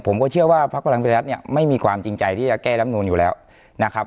ผมก็เชื่อว่าพักพลังประชารัฐเนี่ยไม่มีความจริงใจที่จะแก้รับนูนอยู่แล้วนะครับ